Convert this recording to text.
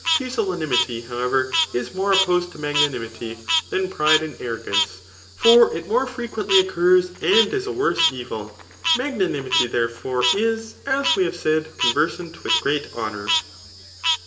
PUsifianimity , however, is more opposed to •maignanimity thaa pride and arrogance ; for it more b^ quettly occuis, and is a worse evfl. Magnanimity thewN^^ fore i^ as we have said, conversant with great honour.